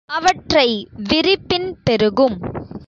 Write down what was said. அவற்றை விரிப்பின் பெருகும்.